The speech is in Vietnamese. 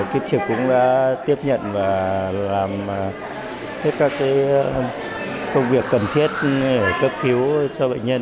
kiếp trực cũng đã tiếp nhận và làm hết các công việc cần thiết để cấp cứu cho bệnh nhân